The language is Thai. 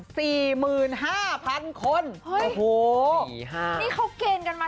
ว้าวนี่เขาเกณฑ์กันมาทั้งจังหวัดหรือเปล่า